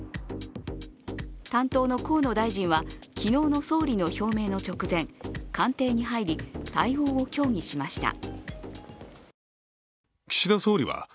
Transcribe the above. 担当の河野大臣は昨日の総理の表明の直前、官邸に入り、対応を協議しました。